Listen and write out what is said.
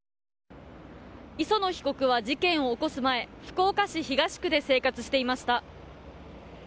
磯野被告は事件を起こす前福岡市東区で生活していました。